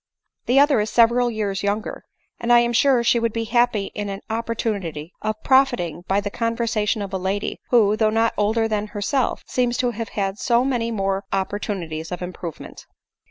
The other is several years younger ; and I am sure she would be happy in an opportunity of profit ing by the conversation of a lady, who, though not older than herself, seems to have had so many more oppor tunities of improvement."